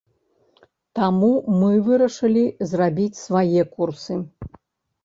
Таму мы вырашылі зрабіць свае курсы.